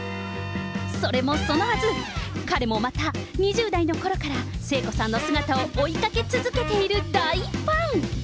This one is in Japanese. それもそのはず、彼もまた、２０代のころから聖子さんの姿を追いかけ続けている大ファン。